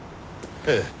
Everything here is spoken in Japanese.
ええ。